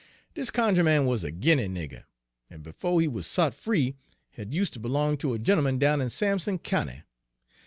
"Dis cunjuh man wuz a Guinea nigger, en befo' he wuz sot free had use' ter b'long ter a gent'eman down in Sampson County.